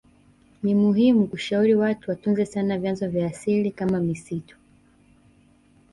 Nimuhimu kushauri watu watunze sana vyanzo vya asili kama misitu